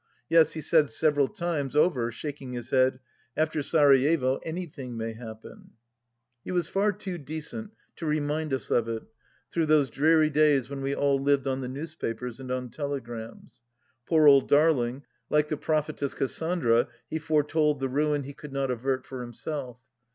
Yes, he said several times over, shaking his head, " After Sarajevo anything may happen !" He was far too decent to remind us of it, through those dreary days when we all lived on the newspapers and on telegrams. Poor old darling, like the prophetess Cassandra he foretold the ruin he could not avert for himself.